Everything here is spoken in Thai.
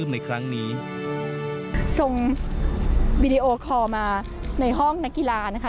ส่งวีดีโอคอล์มาในห้องนักกีฬานะคะ